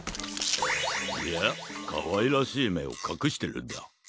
いやかわいらしいめをかくしてるんだ。